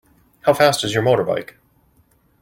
How fast is your motorbike?